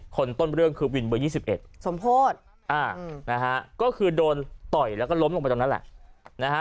คนต้นเรื่องคือวินเบอร์๒๑ก็คือโดนต่อยแล้วก็ล้มลงไปตรงนั้นแหละ